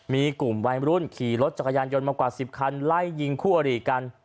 มีกลุ่มวัยรุ่นขี่รถจักรยานยนต์มากว่า๑๐คันไล่ยิงคู่อริกัน